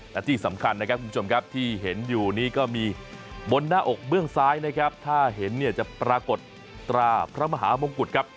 และที่สำคัญนะครับที่เห็นอยู่นี่ก็มีบนหน้าอกเบื้องซ้ายถ้าเห็นจะปรากฏตราพระมหามงกุฏครับ